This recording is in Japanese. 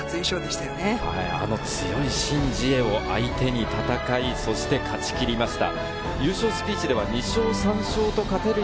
強いシン・ジエを相手に戦い、勝ち切りました。